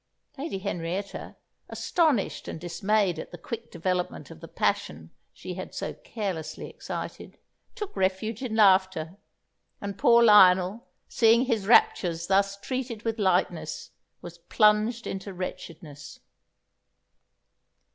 Lady Henrietta, astonished and dismayed at the quick development of the passion she had so carelessly excited, took refuge in laughter, and poor Lionel, seeing his raptures thus treated with lightness, was plunged into wretchedness.